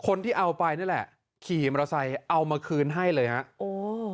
คนที่เอาไปนี่แหละขี่มอเตอร์ไซค์เอามาคืนให้เลยฮะโอ้